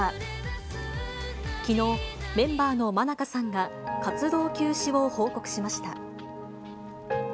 きのう、メンバーのｍａｎａｋａさんが、活動休止を報告しました。